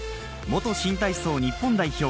新体操日本代表